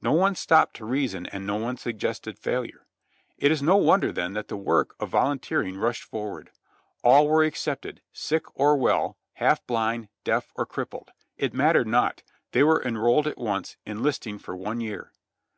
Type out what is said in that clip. No one stopped to reason and no one suggested failure. It is no wonder then that the work of volunteering rushed for ward. All were accepted, sick or well, half blind, deaf or crippled — it mattered not, they were enrolled at once, enlisting for one year.